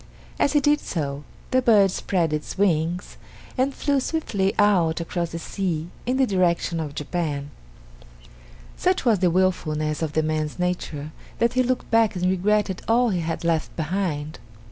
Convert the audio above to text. As he did so, the bird spread its wings and flew swiftly out across the sea in the direction of Japan. Such was the wilfulness of the man's nature that he looked back and regretted all he had left behind.